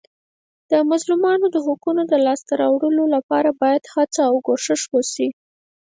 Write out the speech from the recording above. د مظلومانو د حقوقو د لاسته راوړلو لپاره باید هڅه او کوښښ وسي.